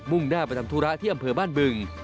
่งหน้าไปทำธุระที่อำเภอบ้านบึง